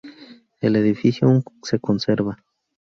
El edificio aún se conserva.